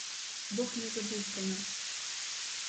Бог не забув про нас!